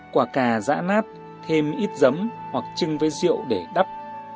quả cà giã nát thêm ít giấm hoặc trưng với rượu để đắp